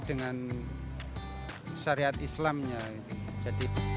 dengan syariat islamnya